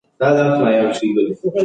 موږ پوهېږو چې لوی اسټروېډونه چیرته دي.